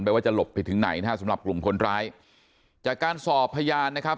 ว่าจะหลบไปถึงไหนนะฮะสำหรับกลุ่มคนร้ายจากการสอบพยานนะครับ